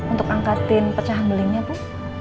untuk angkatin pecah belingnya bu